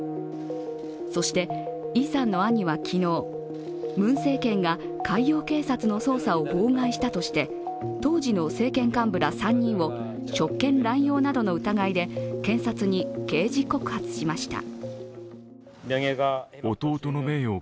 そして、イさんの兄は昨日ムン政権が海洋警察の捜査を妨害したとして、当時の政権幹部ら３人を職権乱用などの疑いで検察に刑事告発しました。